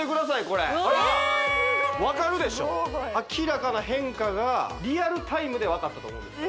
これえっわかるでしょ明らかな変化がリアルタイムでわかったと思うんです